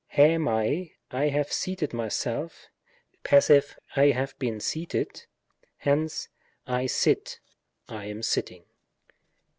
*H/*at, " I have seated myself; " Pass. " I have been seated j" hence, ^'I sit — am sitting.''